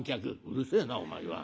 「うるせえなお前は。